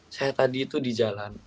saya tadi itu di jalan